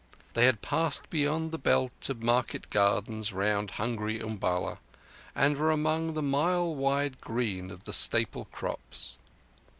They had passed beyond the belt of market gardens round hungry Umballa, and were among the mile wide green of the staple crops.